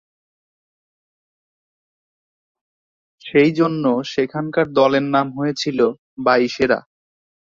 সেই জন্য সেখানকার দলের নাম হয়েছিল 'বাইশেরা'।